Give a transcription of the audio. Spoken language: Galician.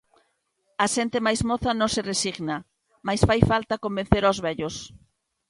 A xente máis moza non se resigna, mais fai falta convencer os vellos.